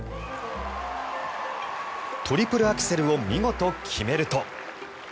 トリプルアクセルを見事、決めると。